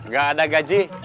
gak ada gaji